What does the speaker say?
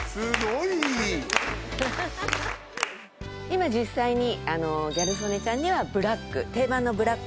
今実際にギャル曽根ちゃんにはブラック定番のブラックですね。